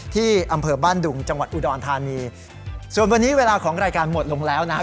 ที่อำเภอบ้านดุงจังหวัดอุดรธานีส่วนวันนี้เวลาของรายการหมดลงแล้วนะฮะ